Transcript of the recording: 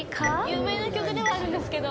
有名な曲ではあるんですけど。